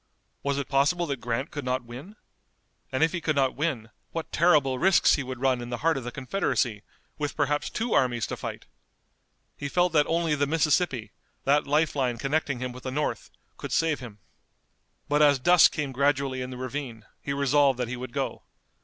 Was it possible that Grant could not win? And if he could not win what terrible risks he would run in the heart of the Confederacy, with perhaps two armies to fight! He felt that only the Mississippi, that life line connecting him with the North, could save him. But as dusk came gradually in the ravine he resolved that he would go.